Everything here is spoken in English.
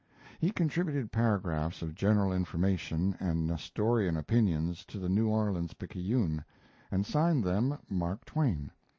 He contributed paragraphs of general information and Nestorian opinions to the New Orleans Picayune, and signed them "Mark Twain."